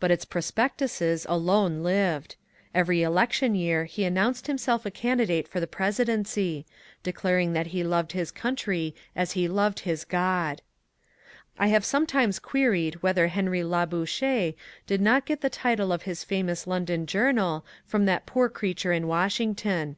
But its prospectuses alone lived. Every election year he announced himself a candidate for the presi dency, declaring that he loved his country as he loved his God. I have sometimes queried whether Henry Labouohere did 208 MONCURE DANIEL CONWAY not get the title of his famoas London journal from that poor creature in Washington.